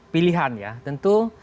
pilihan ya tentu